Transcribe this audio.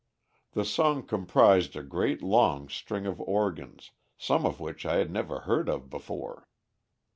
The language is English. The song comprised a great long string of organs, some of which I had never heard of before.